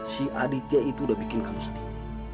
si aditya itu udah bikin kamu sedih